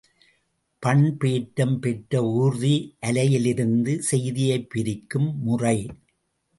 பண்பேற்றம் பெற்ற ஊர்தி அலையிலிருந்து செய்தியைப் பிரிக்கும் முறை.